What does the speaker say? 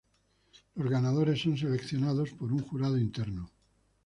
Los ganadores son seleccionados por un jurado interno.